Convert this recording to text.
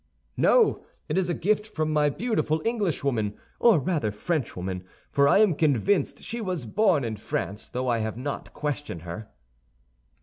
"No. It is a gift from my beautiful Englishwoman, or rather Frenchwoman—for I am convinced she was born in France, though I have not questioned her."